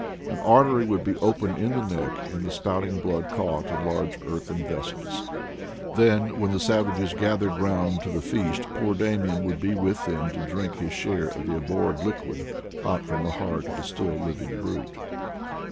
An artery would be opened in the neck and the spouting blood caught in large earthen vessels; then, when the savages gathered round to the feast, poor Damian would be with them to drink his share of the ab horred liquid, hot from the heart of the still living brute.